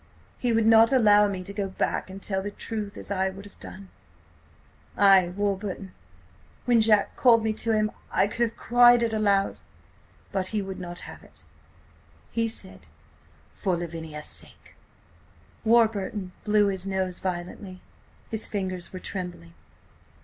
He would not allow me to go back and tell the truth–as I would have done. Ay, Warburton, when Jack called me to him, I could have cried it aloud–but–he would not have it. ... He said: 'For Lavinia's sake.' ..." Warburton blew his nose violently. His fingers were trembling.